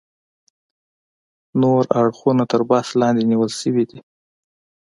نور اړخونه تر بحث لاندې نیول شوي دي.